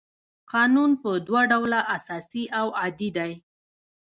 قانون په دوه ډوله اساسي او عادي دی.